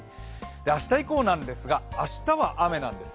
明日以降なんですが、明日は雨なんです。